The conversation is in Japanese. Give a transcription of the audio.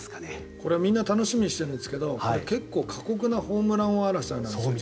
これ、みんな楽しみにしているんですけど結構、過酷なホームラン王争いなんです。